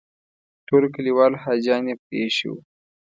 ټول کلیوال حاجیان یې پرې ایښي وو.